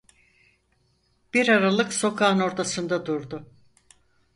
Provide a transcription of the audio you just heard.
Bir aralık sokağın ortasında durdu.